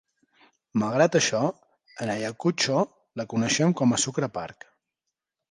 Malgrat això, en Ayacucho, la coneixen com a "Sucre park".